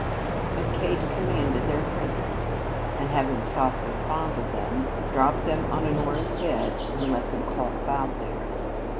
But Kate commanded their presence, and, having softly fondled them, dropped them on Honora's bed and let them crawl about there.